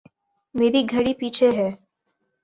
میری گھڑی پیچھے ہے